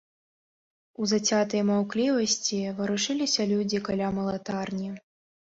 У зацятай маўклівасці варушыліся людзі каля малатарні.